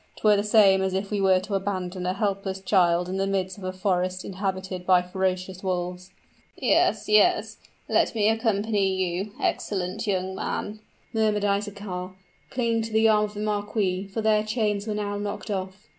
'Twere the same as if we were to abandon a helpless child in the midst of a forest inhabited by ferocious wolves." "Yes yes let me accompany you, excellent young man!" murmured Isaachar, clinging to the arm of the marquis, for their chains were now knocked off.